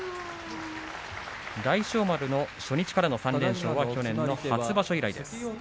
大翔丸、初日からの３連勝は去年の初場所以来です。